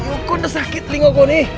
aku sudah sakit telingaku ini